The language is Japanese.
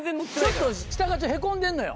ちょっと下がへこんでんのよ。